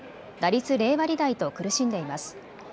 打率０割台と苦しんでいます。